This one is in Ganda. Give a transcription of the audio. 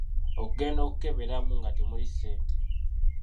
Okugenda okukeberamu nga temuli ssente!